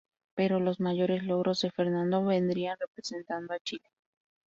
Pero los mayores logros de Fernando vendrían representando a Chile.